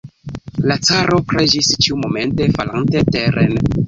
La caro preĝis, ĉiumomente falante teren.